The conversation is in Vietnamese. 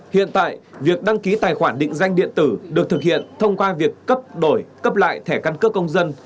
hiện tại việc đăng ký tài khoản định danh điện tử được thực hiện thông qua việc cấp đổi cấp lại thẻ căn cước công dân